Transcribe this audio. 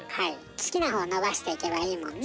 好きな方伸ばしていけばいいもんね。